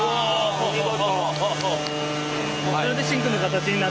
お見事！